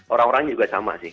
orang orangnya juga sama sih